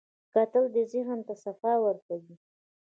کتل ذهن ته صفا ورکوي